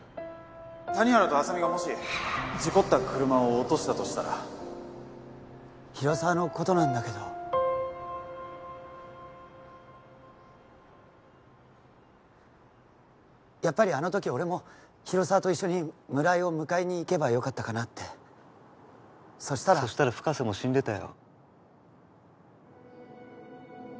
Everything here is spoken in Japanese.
谷原と浅見がもし事故った車を落としたとしたら広沢のことなんだけどやっぱりあの時俺も広沢と一緒に村井を迎えに行けばよかったかなってそしたらそしたら深瀬も死んでたよ